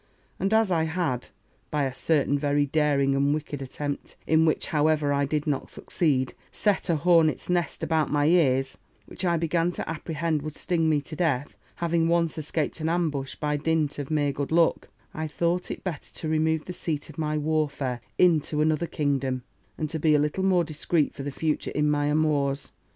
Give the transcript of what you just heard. And as I had, by a certain very daring and wicked attempt, in which, however, I did not succeed, set a hornet's nest about my ears, which I began to apprehend would sting me to death, having once escaped an ambush by dint of mere good luck; I thought it better to remove the seat of my warfare into another kingdom, and to be a little more discreet for the future in my amours.